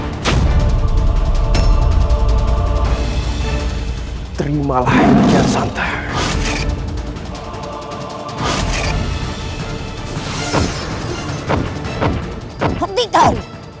agar aku bisa menguasai jurus itu